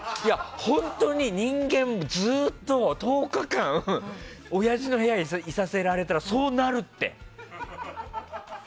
本当に、人間ずっと１０日間おやじの部屋にいさせられたらそうなるって。